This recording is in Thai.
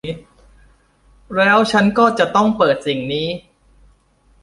แล้วฉันก็จะต้องเปิดสิ่งนี้